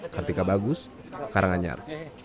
kartika bagus karanganyar